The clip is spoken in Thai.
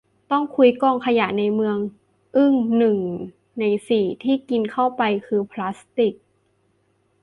ต้องคุ้ยกองขยะในเมือง อึ้ง หนึ่ง ใน สี่ ที่กินเข้าไปคือพลาสติก